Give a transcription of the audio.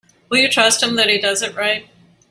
Will you trust him that he does it right?